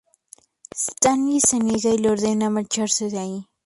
Stannis se niega y le ordena marcharse de ahí.